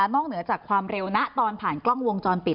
เหนือจากความเร็วนะตอนผ่านกล้องวงจรปิด